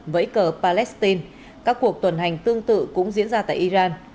vẫy cờ palestine các cuộc tuần hành tương tự cũng diễn ra tại iran